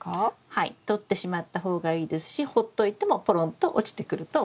はい取ってしまった方がいいですしほっといてもポロンと落ちてくると思います。